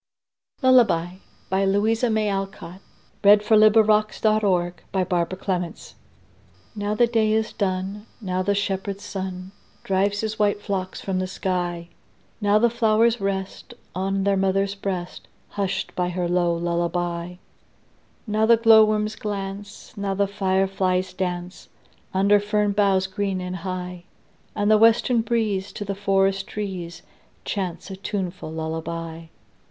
nt, and joy, and peace, Like a soft winged flock of doves. Louisa May Alcott Lullaby NOW the day is done, Now the shepherd sun Drives his white flocks from the sky; Now the flowers rest On their mother's breast, Hushed by her low lullaby. Now the glowworms glance, Now the fireflies dance, Under fern boughs green and high; And the western breeze To the forest trees Chants a tuneful lullaby.